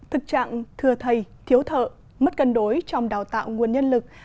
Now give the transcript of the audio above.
thực trạng thừa thầy thiếu thợ mất cân đối trong đào tạo nguồn nhân lực